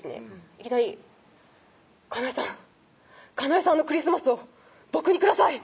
いきなり「加奈絵さん」「加奈絵さんのクリスマスを僕にください！」